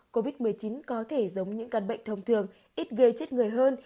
covid một mươi chín có thể giống những căn bệnh thông thường ít gây chết người hơn